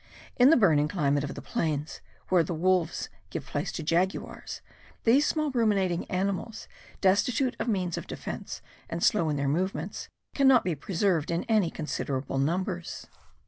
In the burning climate of the plains, where the wolves give place to jaguars, these small ruminating animals, destitute of means of defence, and slow in their movements, cannot be preserved in any considerable numbers.